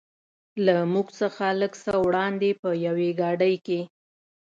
له موږ څخه لږ څه وړاندې په یوې ګاډۍ کې.